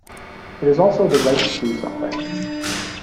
It is also the right to do something.